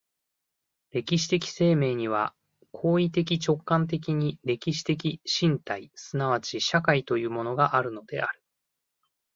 歴史的生命には行為的直観的に歴史的身体即ち社会というものがあるのである。